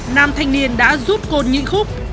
nam thanh niên đã rút cồn nhị khúc